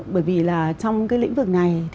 bởi vì trong lĩnh vực này